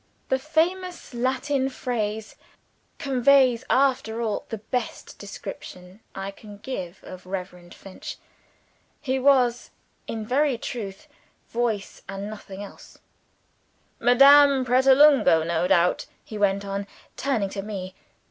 The famous Latin phrase conveys, after all, the best description I can give of Reverend Finch. He was in very truth Voice, and nothing else. "Madame Pratolungo, no doubt?" he went on, turning to me.